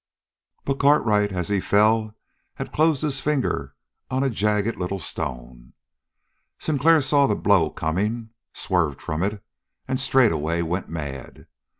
But Cartwright as he fell had closed his fingers on a jagged little stone. Sinclair saw the blow coming, swerved from it, and straightway went mad.